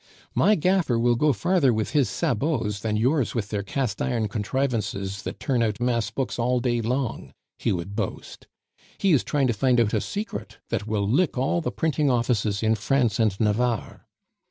"My gaffer will go farther with his 'sabots' than yours with their cast iron contrivances that turn out mass books all day long," he would boast. "He is trying to find out a secret that will lick all the printing offices in France and Navarre."